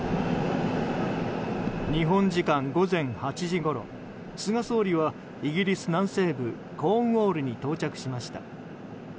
日本時間午前８時ごろ菅総理はイギリス南西部コーンウォールに到着しました。